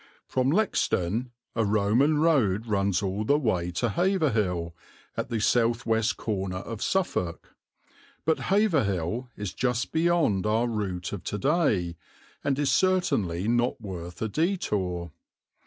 From Lexden, a Roman road runs all the way to Haverhill, at the south west corner of Suffolk; but Haverhill is just beyond our route of to day, and is certainly not worth a detour.